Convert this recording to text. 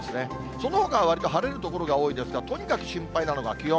そのほかは、わりと晴れる所が多いですが、とにかく心配なのが気温。